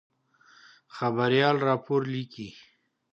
خبریال راپور لیکي.